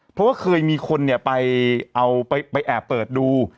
เพราะว่าเคยมีคนไปเอาไปแอบเปิดดู